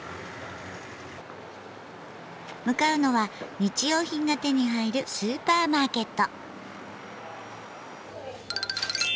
向かうのは日用品が手に入るスーパーマーケット。